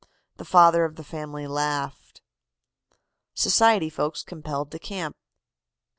"The father of the family laughed." SOCIETY FOLKS COMPELLED TO CAMP.